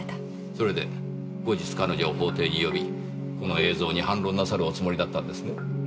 それで後日彼女を法廷に呼びこの映像に反論なさるおつもりだったんですね？